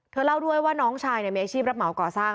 เล่าด้วยว่าน้องชายมีอาชีพรับเหมาก่อสร้าง